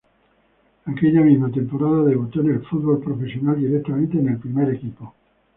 Aquella misma temporada debutó en el fútbol profesional directamente en el primer equipo.